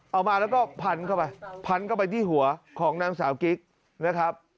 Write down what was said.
เอามาแล้วก็พันเข้าไปพันเข้าไปที่หัวของนางสาวกิ๊กนะครับ